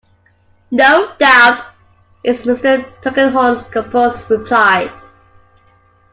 "No doubt," is Mr. Tulkinghorn's composed reply.